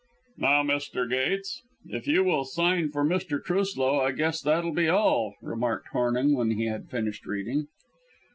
"Now, Mr. Gates, if you will sign for Mr. Truslow I guess that'll be all," remarked Hornung when he had finished reading.